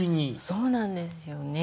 そうなんですよね。